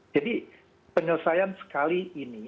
jadi penyelesaian sekali ini